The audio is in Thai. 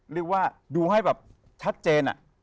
เรียกว่าดูให้แบบชัดเจน